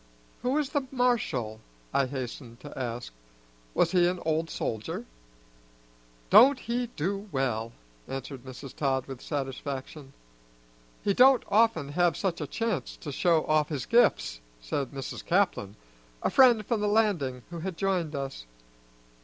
"Who was the marshal?" I hastened to ask. "Was he an old soldier?" "Don't he do well?" answered Mrs. Todd with satisfaction. "He don't often have such a chance to show off his gifts," said Mrs. Caplin, a friend from the Landing who had joined us.